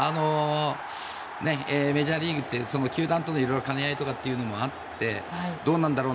メジャーリーグって球団との兼ね合いということもあってどうなんだろう